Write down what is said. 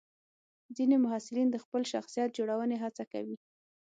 ځینې محصلین د خپل شخصیت جوړونې هڅه کوي.